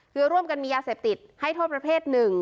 คือร่วมกันมียาเสพติดให้โทษประเภทหนึ่ง